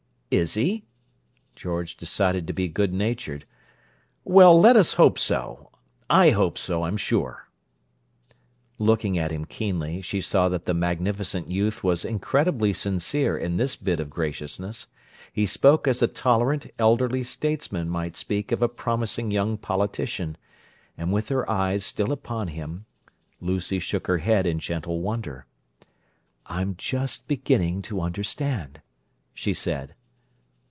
"Is he?" George decided to be good natured "Well, let us hope so. I hope so, I'm sure." Looking at him keenly, she saw that the magnificent youth was incredibly sincere in this bit of graciousness. He spoke as a tolerant, elderly statesman might speak of a promising young politician; and with her eyes still upon him, Lucy shook her head in gentle wonder. "I'm just beginning to understand," she said.